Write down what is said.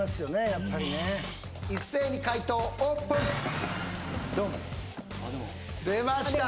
やっぱりね一斉に解答オープンドン出ました！